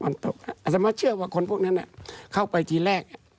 อาจจะมาเชื่อว่าคนพวกนั้นเข้าไปทีแรก